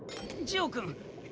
ジオ君！